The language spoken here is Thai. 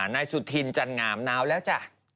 ในสุดทินจันทน์หงามหนาวแล้วจ้ะ